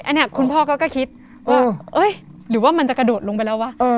อันนี้คุณพ่อก็คิดว่าหรือว่ามันจะกระโดดลงไปแล้ววะ